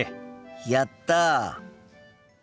やった！